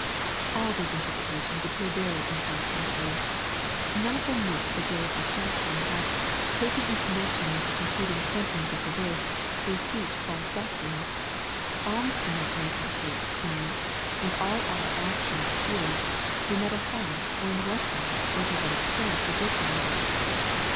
All these interpretations appear very unsatisfactory. N"one of them meets the grave objection, that, taken in connection with the concluding sentence of the verse, they teach false doctrine. Alms do not make our souls clean, and all our actions pure, no matter how, or in what way, or to what extent we give them.